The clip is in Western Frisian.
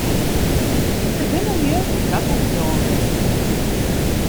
Der binne lju dy't dat net leauwe wolle.